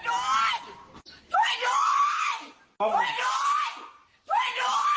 ช่วยด้วย